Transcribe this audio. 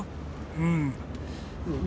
うん。